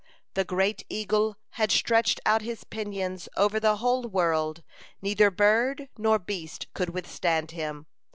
The great eagle had stretched out his pinions over the whole world; neither bird nor beast could withstand him.